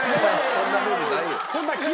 そんなルールないし。